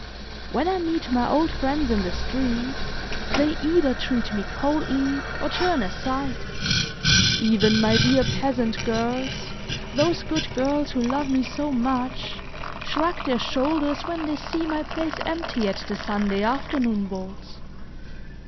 When I meet my old friends in the street, they either treat me coldly, or turn aside, even my dear peasant girls, those good girls who love me so much, shrug their shoulders when they see my place empty at the Sunday afternoon balls.